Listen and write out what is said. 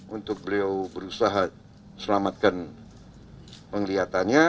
untuk beliau berusaha selamatkan penglihatannya